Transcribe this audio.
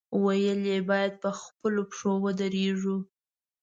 ویل یې، باید په خپلو پښو ودرېږو.